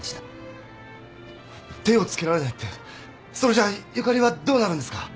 手を付けられないってそれじゃあゆかりはどうなるんですか？